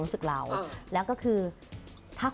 โอ้ยตั๊ะน่ารักมาก